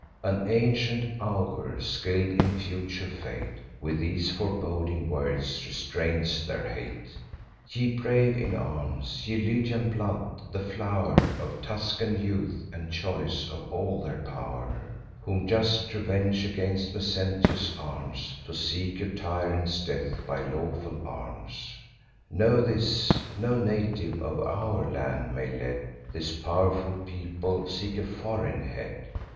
An ancient augur, skill'd in future fate, With these foreboding words restrains their hate: 'Ye brave in arms, ye Lydian blood, the flow'r Of Tuscan youth, and choice of all their pow'r, Whom just revenge against Mezentius arms, To seek your tyrant's death by lawful arms; Know this: no native of our land may lead This pow'rful people; seek a foreign head.